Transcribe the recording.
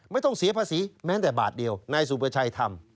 ไม่ต้องเสียภาษีแม้แต่บาทเดียวนายสุประชัยทำ